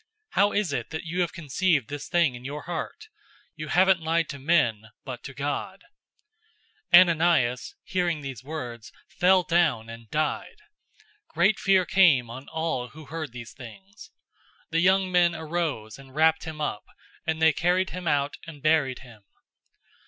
How is it that you have conceived this thing in your heart? You haven't lied to men, but to God." 005:005 Ananias, hearing these words, fell down and died. Great fear came on all who heard these things. 005:006 The young men arose and wrapped him up, and they carried him out and buried him.